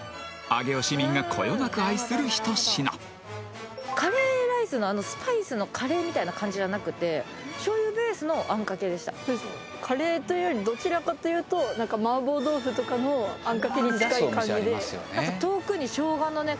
上尾市民がこよなく愛する一品カレーライスのあのスパイスのカレーみたいな感じじゃなくて醤油ベースのあんかけでしたカレーというよりどちらかというと何か麻婆豆腐とかのあんかけに近い感じであと遠くにショウガのね